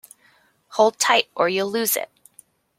Hold tight, or you'll lose it!